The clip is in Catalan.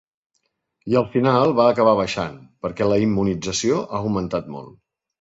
I al final va acabar baixant, perquè la immunització ha augmentat molt.